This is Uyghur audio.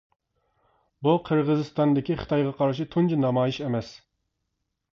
بۇ قىرغىزىستاندىكى خىتايغا قارشى تۇنجى نامايىش ئەمەس.